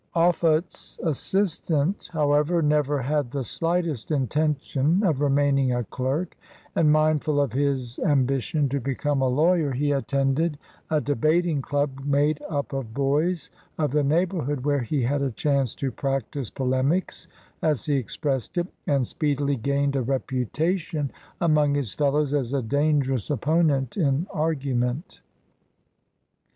Offutt's assistant, however, never had the slightest intention of remaining a clerk, and, mindful of his ambition to become a lawyer, 28 LEGAL APPRENTICESHIP he attended a debating club, made up of boys of the neighborhood, where he had a chance to "practise polemics," as he expressed it, and speedily gained a reputation among his fellows as a dangerous opponent in argument.